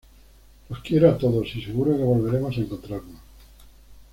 Los quiero a todos y seguro que volveremos a encontrarnos.